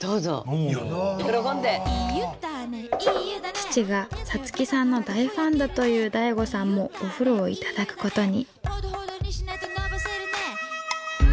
父が五月さんの大ファンだという大悟さんもお風呂をいただく事に。